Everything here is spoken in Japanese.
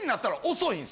遅い！